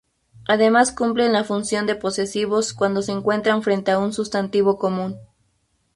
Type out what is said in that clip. Además cumplen la función de posesivos cuando se encuentran frente a un sustantivo común.